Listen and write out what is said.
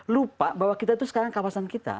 lupa bahwa kita itu sekarang kawasan kita